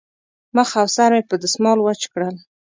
مخ او سر مې په دستمال وچ کړل.